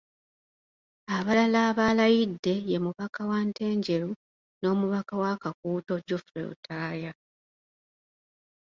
Abalala abalayidde ye mubaka owa Ntenjeru n’omubaka wa Kakuuto, Geofrey Lutaaya.